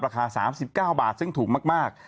ราคา๓๙บาทซึ่งถูกมาก